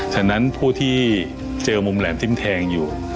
ฉะนั้นผู้ที่เจอมุมแหลมทิ้มแทงอยู่